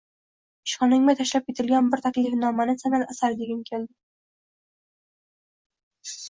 Ishxonamga tashlab ketilgan bir Taklifnomani san`at asari degim keldi